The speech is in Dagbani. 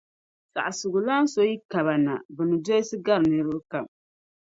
Saɣisigulana so yi ka ba na, bɛ ni dolsi gari niriba kam.